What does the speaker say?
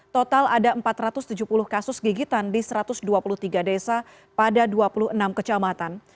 total ada empat ratus tujuh puluh kasus gigitan di satu ratus dua puluh tiga desa pada dua puluh enam kecamatan